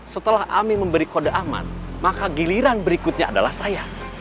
setelah ami memberi kode aman maka giliran berikutnya adalah saya